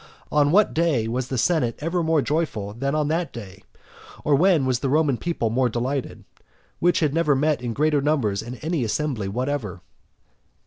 On what day was the senate ever more joyful than on that day? or when was the Roman people more delighted? which had never met in greater numbers in any assembly whatever.